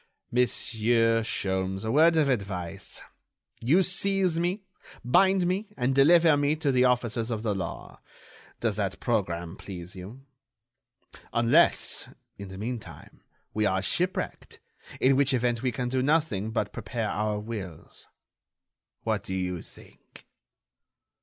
Monsieur Sholmes, a word of advice; you seize me, bind me and deliver me to the officers of the law. Does that programme please you?... Unless, in the meantime, we are shipwrecked, in which event we can do nothing but prepare our wills. What do you think?"